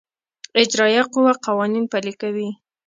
اجرائیه قوه قوانین پلي کوي